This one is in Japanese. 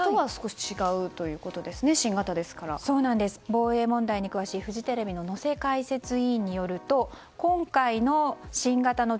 防衛問題に詳しいフジテレビの能勢解説委員によりますと今回の、新型の